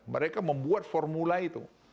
mereka membuat formula itu